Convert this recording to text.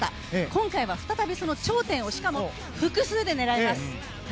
今回は再びその頂点をしかも複数で狙います。